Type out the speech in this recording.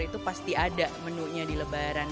itu pasti ada menunya di lebaran